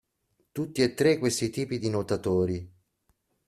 Tutti e tre questi tipi di nuotatori.